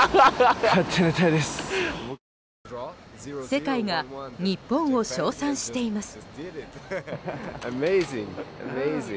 世界が日本を称賛しています。